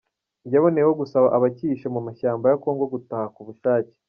Yaboneyeho gusaba abacyihishe mu mashyamba ya Congo gutaha ku bushake.